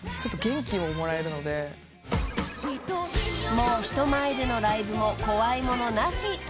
［もう人前でのライブも怖いものなし］